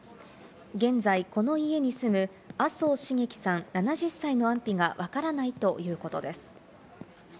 現在この家に住む麻生繁喜さん、７０歳の安否がわからないということです。